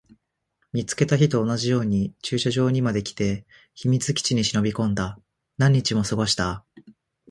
見つけた日と同じように駐車場まで来て、秘密基地に忍び込んだ。何日も過ごした。